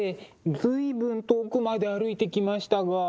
随分遠くまで歩いてきましたが。